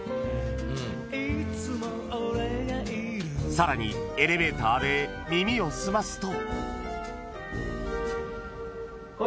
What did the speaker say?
［さらにエレベーターで耳を澄ますと］